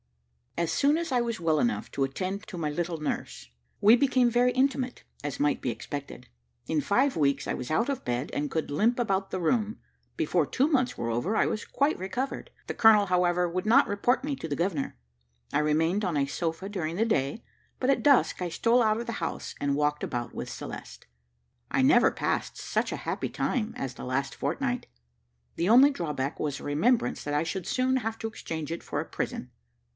As soon as I was well enough to attend to my little nurse, we became very intimate, as might be expected. In five weeks I was out of bed, and could limp about the room; and before two months were over, I was quite recovered. The colonel, however, would not report me to the governor; I remained on a sofa during the day, but at dusk I stole out of the house, and walked about with Celeste. I never passed such a happy time as the last fortnight; the only drawback was the remembrance that I should soon have to exchange it for a prison.